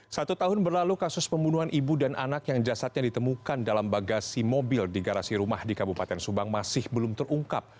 satu tahun berlalu kasus pembunuhan ibu dan anak yang jasadnya ditemukan dalam bagasi mobil di garasi rumah di kabupaten subang masih belum terungkap